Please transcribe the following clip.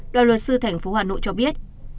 đoàn luật sư tp hà nội cho biết